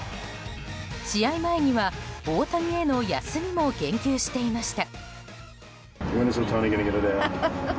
試合前には大谷への休みも言及していました。